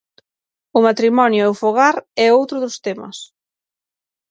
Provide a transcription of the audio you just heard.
O matrimonio e o fogar é outro dos temas.